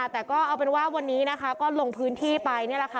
แต่ก็เอาเป็นว่าวันนี้นะคะก็ลงพื้นที่ไปนี่แหละค่ะ